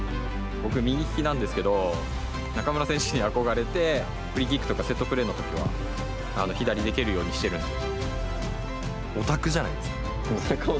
僕、右利きなんですけど中村選手に憧れてフリーキックとかセットプレーの時は左で蹴るようにしてるんです。